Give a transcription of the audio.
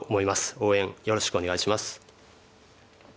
応援よろしくお願いします。